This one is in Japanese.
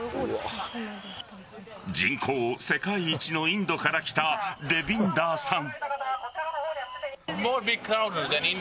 人口世界一のインドから来たデビンダーさん。